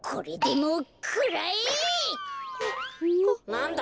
なんだ？